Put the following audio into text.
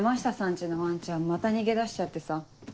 家のワンちゃんまた逃げ出しちゃってさ。